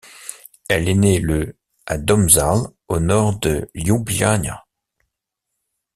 Elle est née le à Domžale, au nord de Ljubljana.